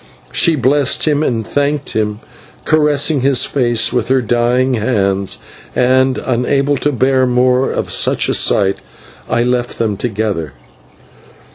She blessed him and thanked him, caressing his face with her dying hands, and, unable to bear more of such a sight, I left them together.